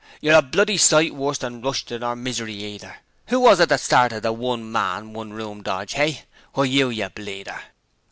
You're a bloody sight worse than Rushton or Misery either! Who was it started the one man, one room dodge, eh? Why, you, yer bleeder!'